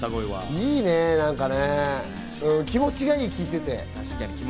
いいね、気持ちがいい、聴いていて。